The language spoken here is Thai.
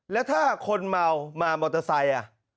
แล้วถ้าคนเมามามอเตอร์ไซค์